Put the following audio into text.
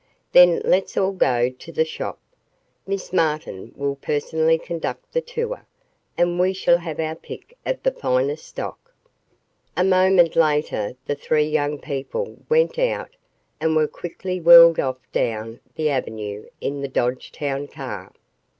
"Then let's all go to the shop. Miss Martin will personally conduct the tour, and we shall have our pick of the finest stock." A moment later the three young people went out and were quickly whirled off down the Avenue in the Dodge town car.